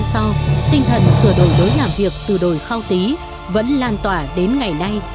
năm sau tinh thần sửa đổi đối làm việc từ đồi khao tí vẫn lan tỏa đến ngày nay